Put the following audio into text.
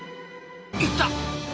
いった！